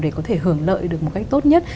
để có thể hưởng lợi được một cách tốt nhất